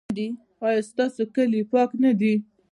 ایا ستاسو کالي پاک نه دي؟